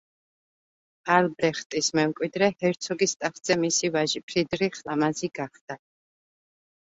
ალბრეხტის მემკვიდრე ჰერცოგის ტახტზე მისი ვაჟი ფრიდრიხ ლამაზი გახდა.